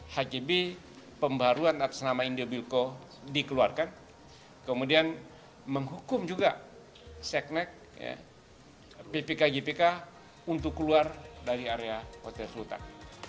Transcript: hgb pembaruan atas nama indobuildco dikeluarkan kemudian menghukum juga seknek ppkgbk untuk keluar dari area hotel sultan